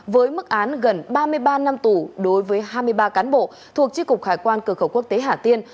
với mức án gần ba mươi ba năm tù đối với hai mươi ba cán bộ thuộc tri cục hải quan cửa khẩu quốc tế hà tiên